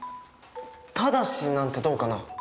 「ただし」なんてどうかな？